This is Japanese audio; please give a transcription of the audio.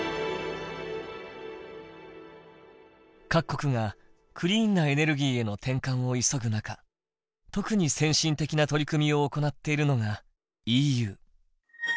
各国がクリーンなエネルギーへの転換を急ぐ中特に先進的な取り組みを行っているのがＥＵ。